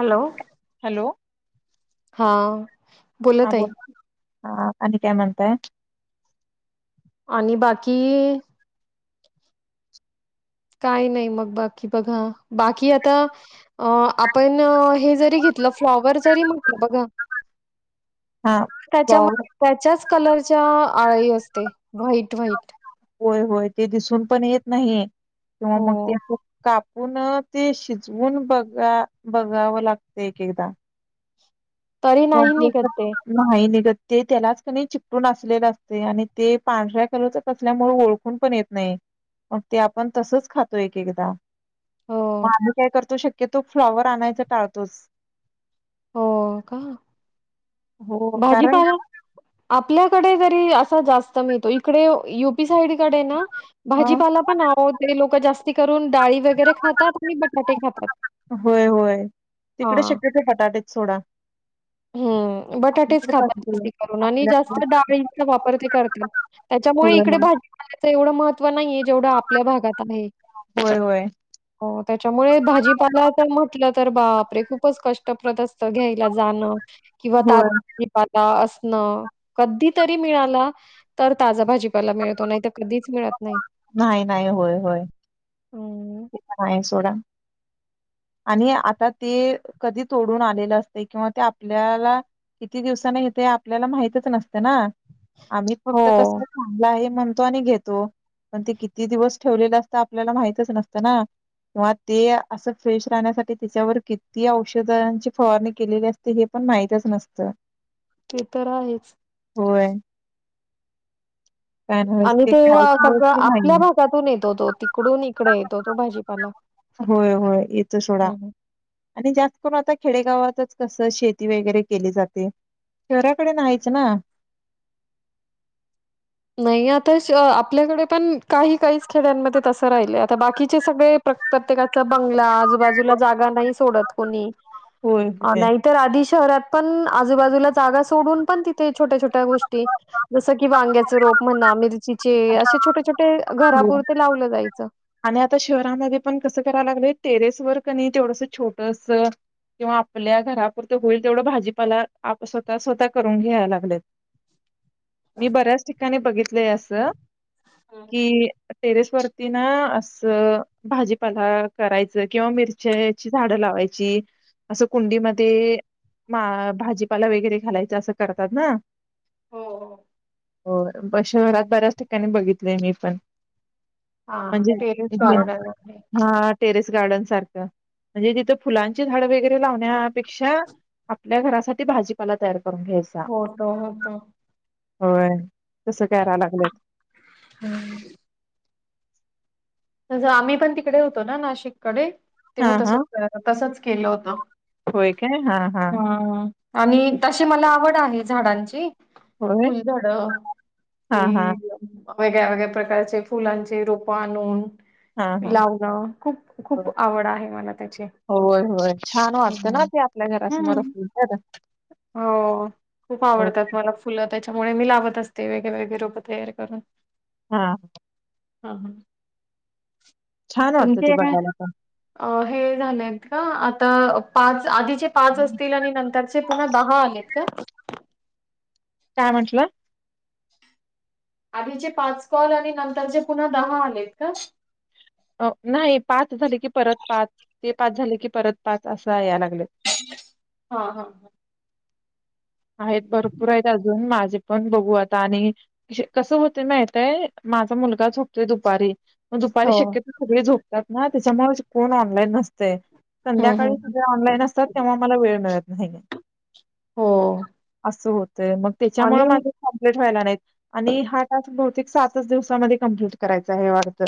Hello. Hello. हां. हा बोल. हा आणि त्या म्हणताय आणि बाकी काई नाही मग बाकी बघा बाकी आता अ आपण हे जरी घेतल फ्लॉवर जरी म बघा हा पाऊस त्यामध्ये त्याच्याच कलरच्या आळी असते व्हाईट व्हाईट. होय होय ते दिसून पण येत नाहीं. किंवा मग ते हो. कापून अ ते शिजवून बघा बघावं लागत एक एकदा. तरी किंवा नाही निघत [unintelligible] ते नाही निघत. ते त्यालाच कणी चिकटून असलेलं असते आणि ते पांढऱ्या कलरच असल्यामुळें ओळखून पण येत नाही मग, ते आपण तसंच खातो एक एकदा. हो म आम्ही काय करतो शक की तो फ्लॉवर आणायचा टाळतोच. हो. का हो कारण भाजीपाला आप आपल्याकडे जरी असं जास्त मिळतो इकडे युपी साईड कडे न अ भाजीपाला पण आवो ते लोक जास्त ते करून डाळी वगैरे खातात नी बटाटे खातात होय, होय. तिकडे हां. शक्यतो बटाटेच सोडा. हम्म बटाटेच आपल्याकडेच खातात असतील. जास्ती करून आणि जास्त आपल्याकडे डाळींचा वापर ते करतात. त्यांच्यामुळे होय, इकडे होय. भाजीपाल्याच एवढ महत्व त्व नाहिये जेवढ आपल्या भागात आहे. होय, होय. हो त्याच्यामुळे भाजीपाला जर म्हटलत तर बापरे! खूपचं कष्ट परत असत घ्यायला जाणं किंवा तात होय. [unintelligible] न कधी तरी मिळाला तर ताजा भाजीपाला मिळतो नाही त कधीच मिळत नाही. नाही नाही होय होय. हं, नाई सोडा. आणि आता ते कधी तोडून आलेलं असतय किंवा ते आपल्याला किती दिवसांनी येतंय आपल्याला माहितच नसतं ना. आम्ही फक्त हो. कसं चांगलं आहे म्हणतो आणि घेतो पण ते किती दिवस ठेवलेलं असत आपल्याला माहितच नसत. त ना किंवा ते असं फ्रेश राहण्यासाठी त्याच्यावर किती औषधांची फवारणी केलेली असते हे पण माहितच नसत. ते तर आहेच. होय. काय नव्हच आणि ते खायचं सगळं की आपल्या नाही. भागातून येतोतो तिकडून इकडे येतोतो भाजीपाला होय होय येतो सोडा ह्म्म. आणि जास्त करून आता खेडेगावातच कस शेती वगैरे केली जाते शहराकडे नाहीच ना. नाही आता श आपल्याकडे पण काही काहीच खेड्यांमध्ये तसं राहिलं आता बाकीचे सगळे प्रत प्रत्येकाचा बंगला आजूबाजूला जागा नाही सोडत कोणी. होय होय. नाहीतर आधी शहरात. पण आजूबाजूला जागा सोडून पण तिथे छोट्या छोट्या गोष्टी जस की वांग्या- च रोप म्हणा मिरची जे असे छोटे छोटे हो. घरापुरते लावलं जाईत. आणि आता शहरामध्ये पण कसं कराय लागले टेरेस वर कणी तेवढस छोटसं किंवा आपल्या घरापुरतं होईल तेवढं भाजीपाला आप स्वतः स्वतः करून घ्याया लागलेत. मी बऱ्याच ठिकाणी बघितलय असं. हं, की टेरेस वरती ना असं भाजीपाला करायचं किंवा मिरच्याची झाडं लावायची असं कुंडीमध्ये मा भाजीपाला वगैरे घालायचं असं करतात ना? हो. हो ब शहरात बऱ्याच ठिकाणी बघितलय मी पण. हा म्हणजे टेरिस हे गार्डन आहे. हा टेरेस गार्डन सारखं म्हणजे तिथं फुलांची झाड वगैरे लावण्यापेक्षा आपल्या घरासाठी भाजीपाला तयार करून घ्यायचा होतो होतो. होय. तसं कयरा लागलेत. तसं आम्ही पण तिकडे होतो ना नाशिककडे, हा तेव्हा तस हा तसच केलं होत होय काय हा हा हम आणि तशी मला आवड आहे झाडांची. - होय फुलझाड हा हे, हा वेगळ्या वेगळ्या प्रकारचे फुलांचे रोप आणून हा हा लावण खूप खूप आवड आहे मला त्याची होय होय होय. छान हम्म वाटतं ना हम्म ते आपल्या हा घरासमोर हम्म्म असतील तर हो खूप हो आवडतात मला फुलं, त्यामुळे मी लावत असते वेगळे वेगळे रोप तयार करून, हा हा हा छान वाटतं तुमचे ते हे बघायला पण झाले आहेत का आ, पाच आधी, पाच असतील आणि नंतर, चे पुन दहा आलेत का काय म्हटला, आधीचे पाच कॉल आणि नंतरचे पुन्हा दहा आलेत का? अ नाही पाच झाले की परत पाच ते पाच झाले की परत पाच असा या लागत, हा हा ह. आहेत भरपूर आहेत, अजून माझे पण बघू आता आणि कसं होतयं माहितयं, माझा मुलगा झोपतोय दुपारी. मग दुपारी हो. शक्यता सगळे झोपतात ना, त्याच्यामुळं कोण ऑनलाईन नसतंय. हं, संध्याकाळी हं. सगळे ऑनलाईन असतात, तेव्हा मला वेळ मिळत नाही गं. हो. असोत. तर मग त्याच्यामुळे आणि माझं हो, कंप्लीट व्हायला नाहीत, आणि हा टास्क भव ते सातच दिवसामध्ये कंप्लीट करायचा आहे वाटतं.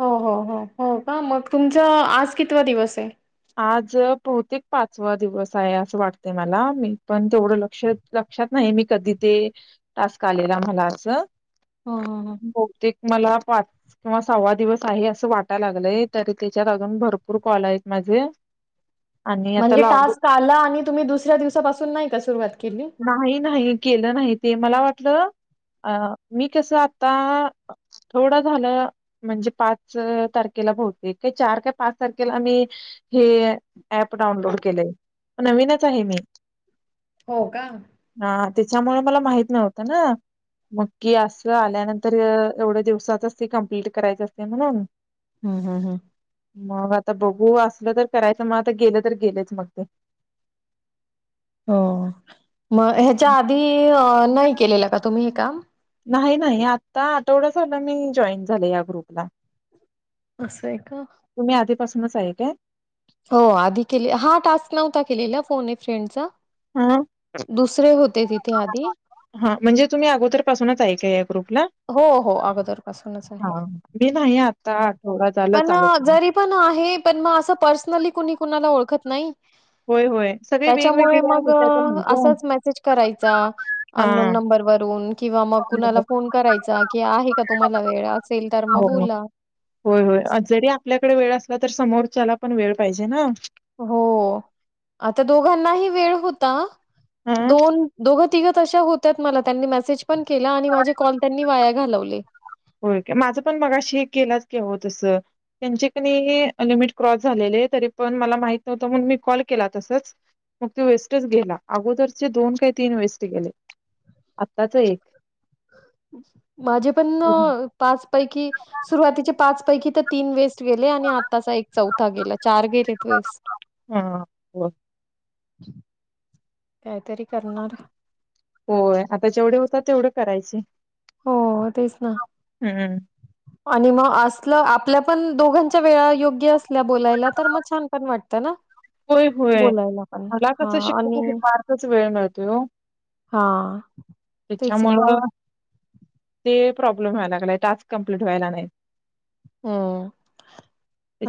हो हो हो हो का, मग तुमचा आज कितवा दिवस आहे? आज बहुतेक पाचवा दिवस आहे, असं वाटत मला मी पण तेवढं लक्ष -लक्षात नाही मी कधी ते टास्क आलेला मला असं. हो, हो, हो. बहुतेक मला पाच किंवा सहावा दिवस आहे असं वाटायला लागलंय, तरी त्याच्यात अजून भरपूर कॉल आहेत. माझे आणि आता म्हणजे लावू टास्क आला, आणि तुम्ही दुसऱ्या दिवसापासून नाही का सुरुवात केली? नाही नाही केलं नाही, ते मला वाट टलं मी कस आता थोड झालं म्हणजे, पाच तारखेला बहुतेक चार पाच तारखेला मी हे अँप डाउनलोड केलंय नवीनच आहे मी. हो का? तेच्यामुळे मला माहित नव्हतं ना. मग की असं आल्यानंतर एवढ्या दिवसातच ते कंप्लीट करायचं असतय म्हणून. हूं हूं हूं. मग आता बघू असलं तर करायचं. मग आता गेलं तर गेलच मग ते हं. मग ह्याच्या आधी अं नाही. केलेलं का तुम्ही हे काम? नाही, नाही आता आठवडा झालं मी जॉईन झाले या ग्रुपला. असंय का? पसनच आहे काय? हो आधी केले. हा टास्क नव्हता केलेला फोन ए फ्रेंडचा. हा दुसरे होते तिथे आधी. हां, म्हणजे तुम्ही अगोदरपासूनच आहे काय? हो हो अगोदर पासूनच हा आहे. मी नाही आता आठवडा झाला पण चालू करून जरी पण आहे पण मग अस पर्सनली कुणी कुणाला ओळखत नाही? होय होय सगळे त्याच्यामुळे वेगवेगळ्या मग, ह्याच्यातून आहे ग असाच मेसेज करायचा अनोन हा नंबरवरून, किंवा मग कुणाला बरोबर फोन करायचा की आहे का तुम्हाला वेळ असेल तर मग हो बोला. होय होय असं जरी आपल्याकडे वेळ असला तर समोरच्याला पण वेळ पाहिजे ना. हो आता दोघांनाही वेळ होता. हा दोन दोघ तिथं तश्या होत्यात ‌‌मला त्यांनी मेसेज पण केला आणि माझे कॉल त्यांनी वाया घालवले होेय काय माझं पण मगाशी गेलाच की हो. तसं त्यांचे कणी अं लिमिट क्रॉस झालेले तरी पण मला माहित नव्हतं म्हणून मी कॉल केला. तसच मग त वेस्टच गेला. अगोदरचे दोन काही तीन वेस्ट गेले. आत्ताच एक. माझे न पाच पैकी सुरुवातीचे पाच पैकी तर तीन वेस्ट गेले आणि आताचा एक चौथा गेला चार गेलेत वेस्ट हा हो कायतरी करणार होय आता जेवढे होतात तेवढे करायचे. हो तेच ना हम्म. आणि मग असलं आपल्या पण दोघांच्या वेळा योग्य असल्या बोलायला तर मग छान पण वाटतं ना. होय होय बोलायला पण. मला कस हां आणि शक्यतो दुपारचं वेळ मिळतोय ओ हां तेच ना त्याच्यामुळं मग. ते प्रॉब्लेम व्हाय लागलाय टास्क कंप्लीट व्हायला नाहीत. हम्म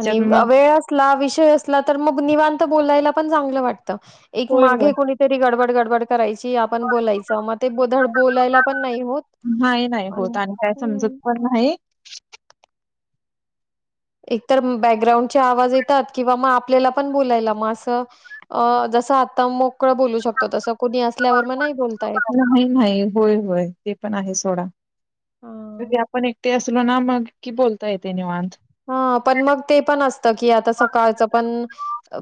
आणि मग वेळ अं असला विषय असला तर मग निवांत बोलायला पण चांगलं वाटतं. एक होय होय. मागे कोणीतरी गडबड गडबड करायची आपण बोलायच मग ते धड बोलायला पण नाही होत. नाही नाही होत आणि काय समजत पण नाही. एकतर बॅकग्राउंडचे आवाज येतात किंवा म आपल्याला पण बोलायला म असं अ जस आता मो - - बोलता येत. नाही नाही होय होय ते पण आहे सोडा हां. तरी आपण एक - - ते असलो ना मग की बोलता येते निवांत. हा पण मग ते पण असत की आता सकाळचं पण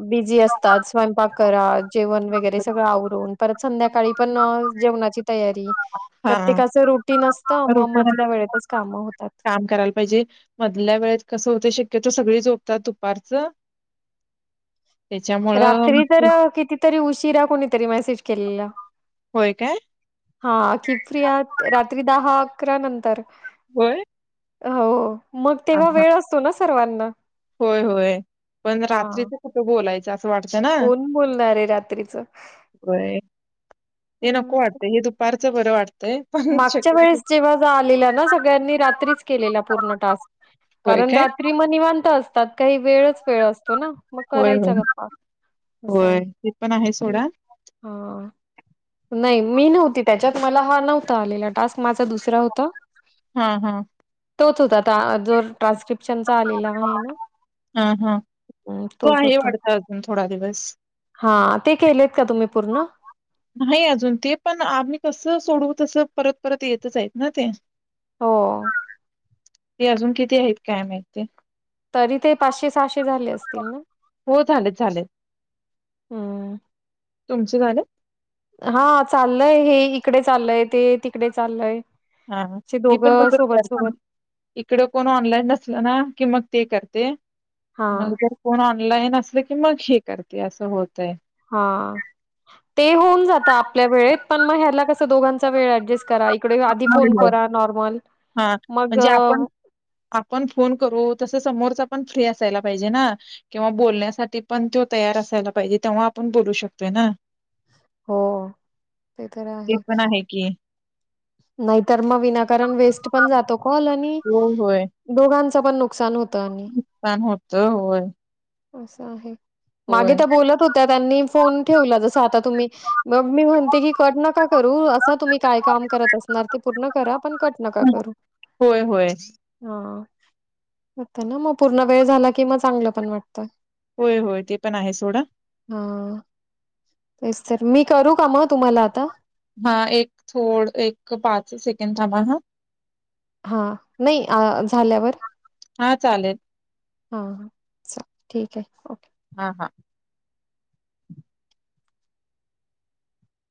बिझी असतात स्वयंपाक करा जेवण वगैरे सगळं आवरून परत संध्याकाळी - - पण अ जेवणाची तयारी - - हा प्रत्येकाच रुटीन असतं म रुटीन मधल्या वेळेतच काम होतात. काम करायला पाहिजे मधल्या वेळेत कसं होतय शक्यतो सगळी झोपतात दुपारचं. त्याच्यामुळं मग रात्री ते तर कितीतरी उशीरा कोणीतरी मसेज केलेला होय काय? हा की फ्री आहात रात्री दहा - - अकरा नंतर व्हय अ हो मग तेव्हा वेळ असतो ना स - - सर्वांना होय होय पण हां, रात्रीच कुठ बोलाय - - असं वाटतं ना कोण बोलणार आहे रात्रीचं? होय ते नको हं, वाटतं हे दुपारचं बरं वाटतं. मागच्या वेळेस जेव्हा जो आलेला न सगळ्यांनी रात्रीच केलेला पूर्ण टास्क होय कारण काय? रात्री म निवांत अस त्यात काही वेळच वेळ अस - - तो ना मग होय होय करायचा गप्पा अस आहे होय ते पण आहे सोडा. हा. नाही मी नव्हती त्याच्यात मला हा नव्ह - - आता आलेला टास्क. माझा दुसरा होता. हा हा. तोच होता आता जो ट्रान्स्क्रिप्ट चा आलेला आहे ना हा हा तो तोच आहे होता वाटत अजून थोडा दिवस. हा ते केलेत का तुम्ही पूर्ण? नाही अजून ते पण आम्ही कसं सोडू तसं परत परत येतच आहेत ना ते हो ते अजून किती आहेत काय माहित ते तरी ते पाचशे सहाशे झाले असतील ना हो झालेत झालेत हम्म. तुमचे झाले? हा चाललंय हे इकडे चाललंय ते तिकडे चाललंय. हा [inaudible] इकड कोण ऑनलाईन नसल ना कि मग - - ते करते. हा मग कोण ऑनलाईन अस - की मग हे करते असं होतय! हा ते होऊन जात आपल्या वेळेत पण मग ह्याला कस दोघांचा वेळ ऍडजस्ट! हा मग म्हणजे अ, आपण -आपण फोन करू तस समोरचा! पण फ्री असायला पाहिजे ना किंवा बोलण्यासाठी पण तो तयार असायला पाहिजे तेव्हा आपण बोलू शकतोय ना! हो ते तर ते आहे. पण की. नाहीतर मग विनाकारण वेस्ट पण हो होय. कोणाच पण नुकसान हो नुकसान होतय होय. असं आहे. मागे होय. त्या बोलत होत्या त्यांनी फोन ठेवला जसा आता तुम्ही मग मी म्हणते कट नका करू असा काय काम करता. नारथी पूर्ण करा पण कट नका हं. करू होय, होय. हा होत ना मग पूर्ण वेळ झाला कि, म चांगलं पण वाटतं! होय -होय ते पण आहे सोडा. हा तेच तर मी करू का मग तुम्हाला आता. हा एक थोड एक पाच सेकंद थांबा हा! हा नाही हा झाल्यावर. हां, चालेल. हां अस ठीक आहे हो. हा हा.